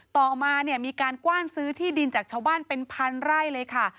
ต่อมาเนี่ยมีการกว้านซื้อที่ดินจากชาวบ้านเป็นพันไร่เลยค่ะ